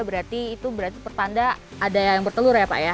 berarti itu berarti pertanda ada yang bertelur ya pak ya